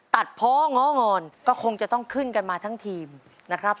เพาะง้องอนก็คงจะต้องขึ้นกันมาทั้งทีมนะครับ